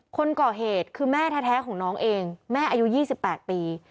คนก่อเหตุคือแม่แท้ของน้องเองแม่อายุ๒๘ปี